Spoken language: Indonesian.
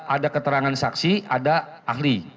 ada keterangan saksi ada ahli